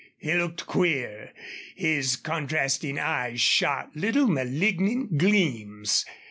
He looked queer. His contrasting eyes shot little malignant gleams.